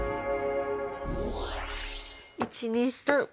１２３。